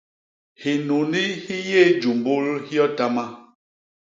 Hinuni hi yé jumbul hyotama.